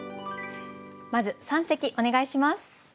まず三席お願いします。